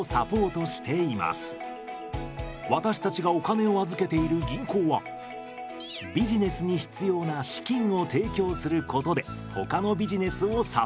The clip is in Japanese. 私たちがお金を預けている銀行はビジネスに必要な資金を提供することでほかのビジネスをサポート。